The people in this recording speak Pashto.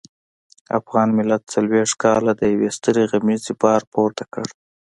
افغان ملت څلويښت کاله د يوې سترې غمیزې بار پورته کړ.